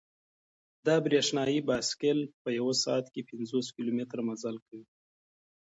دا برېښنايي بایسکل په یوه ساعت کې پنځوس کیلومتره مزل کوي.